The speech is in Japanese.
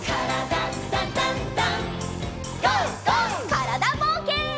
からだぼうけん。